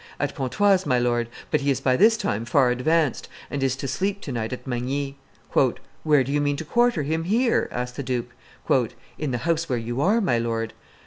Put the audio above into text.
"At Pontoise, my lord; but he is by this time far advanced, and is to sleep to night at Magny." "Where do you mean to quarter him here?" asked the duke. "In the house where you are, my lord."